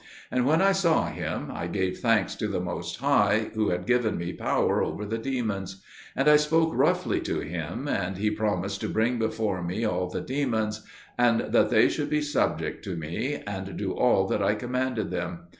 And when I saw him, I gave thanks to the Most High, who had given me power over the demons. And I spoke roughly to him; and he promised to bring before me all the demons, and that they should be subject to me, and do all that I commanded them.